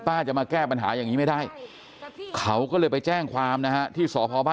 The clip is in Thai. จะมาแก้ปัญหาอย่างนี้ไม่ได้เขาก็เลยไปแจ้งความนะฮะที่สพบ้าน